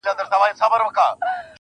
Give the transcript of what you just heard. د سترگو توري په کي به دي ياده لرم,